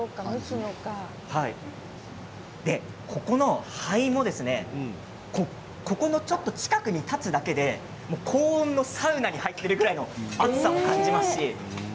ここの灰もちょっと近くに立つだけで高温のサウナに入っているぐらいの暑さがあります。